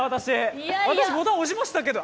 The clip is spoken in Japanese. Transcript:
私、ボタン、押しましたけど。